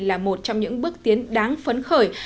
là một trong những bước tiến đáng phấn khởi